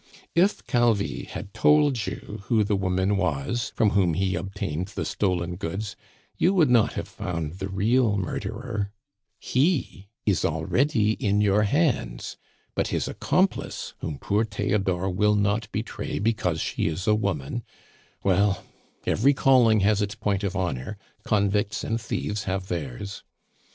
"If Calvi had told you who the woman was from whom he obtained the stolen goods, you would not have found the real murderer; he is already in your hands; but his accomplice, whom poor Theodore will not betray because she is a woman Well, every calling has its point of honor; convicts and thieves have theirs!